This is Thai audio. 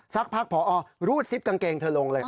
สักพักพอรูดซิปกางเกงเธอลงเลย